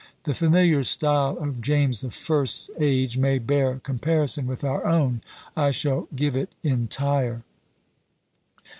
The familiar style of James the First's age may bear comparison with our own. I shall give it entire.